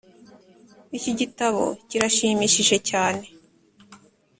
iki gitabo kirashimishije cyane.